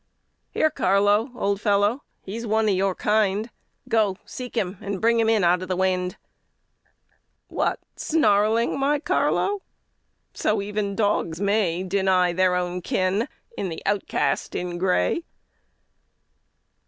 Here, Carlo, old fellow, he's one of your kind, Go, seek him, and bring him in out of the wind. What! snarling, my Carlo! So even dogs may Deny their own kin in the outcast in gray.